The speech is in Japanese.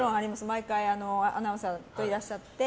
毎回、アナウンサーがいらっしゃって。